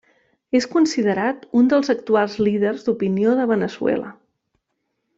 És considerat un dels actuals líders d'opinió de Veneçuela.